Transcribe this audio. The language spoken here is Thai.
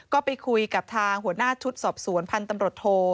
ก็ไปคุยกับทางหัวหน้าชุดสอบสวนพันธุ์ตำรวจโท